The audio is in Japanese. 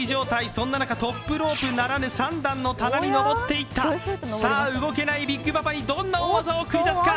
そんな中、トップロープならぬ３段の棚に登っていった、さあ動けないビッグパパにどんな大技を繰り出すか。